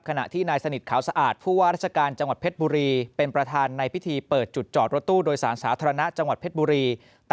ขณะที่นายสนิทขาวสะอาดผู้ว่าราชการจังหวัดเผ็ดบุรี